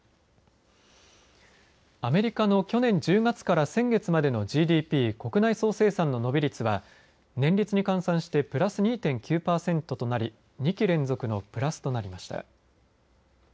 アメリカの去年１０月から先月までのＧＤＰ国内総生産の伸び率は年率に換算してプラス２．９パーセントとなり２期連続のプラスとなりました。